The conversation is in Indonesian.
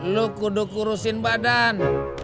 lo kuduk urusin badan